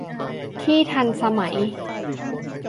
ที่ทันสมัย